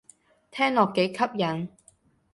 聽落幾吸引